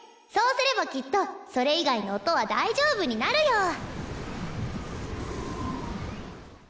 そうすればきっとそれ以外の音は大丈夫になるよ。